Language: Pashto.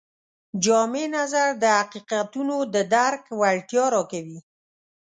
جامع نظر د حقیقتونو د درک وړتیا راکوي.